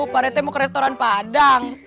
parite mau ke restoran padang